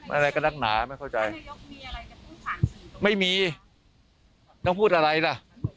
อะไรก็นักหนาไม่เข้าใจไม่มีต้องพูดอะไรล่ะ